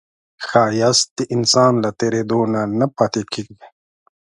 ښایست د انسان له تېرېدو نه نه پاتې کېږي